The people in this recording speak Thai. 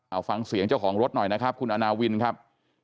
เอาฟังเสียงเจ้าของรถหน่อยนะครับคุณอาณาวินครับ